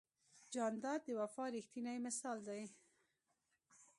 جانداد د وفا ریښتینی مثال دی.